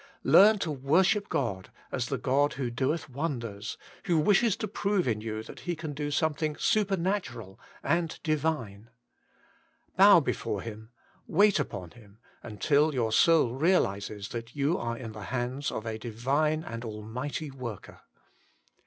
Learn to worship God as the God who doeth wonders, who wishes to prove in you that He can do 70 WAITING ON GOD I something supernatural and divine. Bow before Him, wait upon Him, until your soul realises that you are in the hands of a divine and almighty worker.